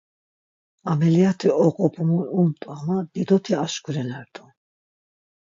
Ameliyat̆i oqupumu unt̆u ama didoti aşkurinert̆u.